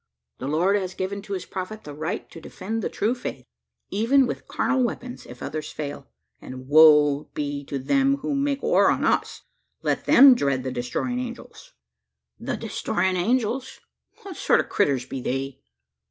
The Lord has given to his Prophet the right to defend the true faith even with carnal weapons, if others fail; and woe be to them who make war on us! Let them dread the Destroying Angels!" "The Destroying Angels! What sort o' critters be they?"